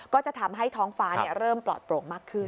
ก็จะทำให้ท้องฟ้าเริ่มปลอดโปร่งมากขึ้น